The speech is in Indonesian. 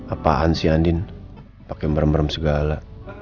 apaan sih andin pake mbrem brem segala